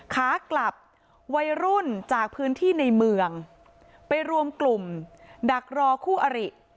ขากลับวัยรุ่นจากพื้นที่ในเมืองไปรวมกลุ่มดักรอคู่อริ